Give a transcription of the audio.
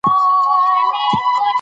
طلا د افغانستان د شنو سیمو ښکلا ده.